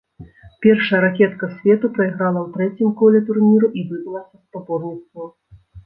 Першая ракетка свету прайграла ў трэцім коле турніру і выбыла са спаборніцтваў.